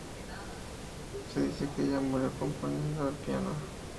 Se dice que ella murió componiendo al piano.